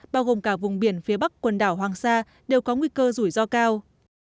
bao gồm cả vùng biển phía bắc quần đảo hoàng sa đều có nguy cơ rủi ro cao